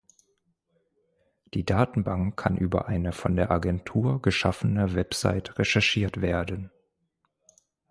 Die Datenbank kann über eine von der Agentur geschaffene Website recherchiert werden.